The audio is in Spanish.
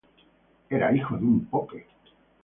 Era hijo de un pope.